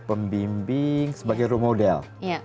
pembimbing sebagai role model